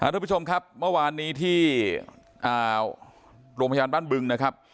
ทุกผู้ชมครับเมื่อวานนี้ที่โรงพยาบาลบ้านบึงนะครับ